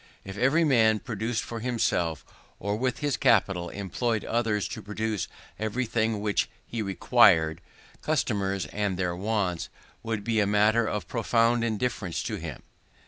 If every man produced for himself, or with his capital employed others to produce, everything which he required, customers and their wants would be a matter of profound indifference to him.